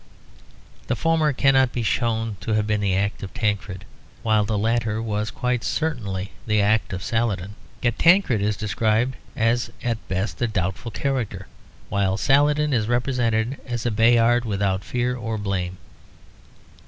The former cannot be shown to have been the act of Tancred, while the latter was quite certainly the act of Saladin. Yet Tancred is described as at best a doubtful character, while Saladin is represented as a Bayard without fear or blame.